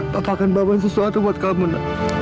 papa akan bawa sesuatu buat kamu nak